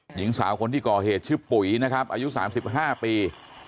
หญิงสาวคนที่ก่อเหตุชื่อปุ๋ยนะครับอายุ๓๕ปี